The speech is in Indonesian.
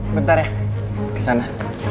bentar ya kesana